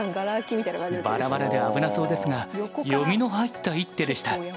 バラバラで危なそうですが読みの入った一手でした。